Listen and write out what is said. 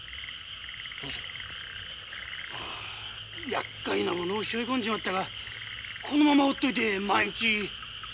やっかいなものをしょい込んじまったがこのままほっといて万一な！